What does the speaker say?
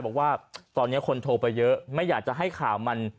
บอกว่าตอนนี้คนโทรไปเยอะไม่อยากจะให้ข่าวมัน